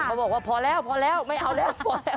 เขาบอกว่าพอแล้วไม่เอาแล้ว